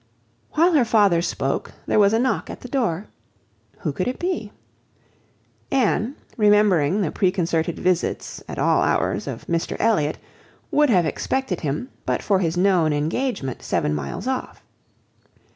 While her father spoke, there was a knock at the door. Who could it be? Anne, remembering the preconcerted visits, at all hours, of Mr Elliot, would have expected him, but for his known engagement seven miles off.